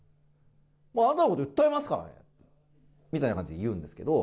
あなたのこと、訴えますからねみたいな感じで言うんですけど。